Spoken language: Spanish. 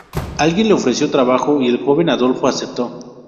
Alguien le ofreció trabajo y el joven Adolfo aceptó.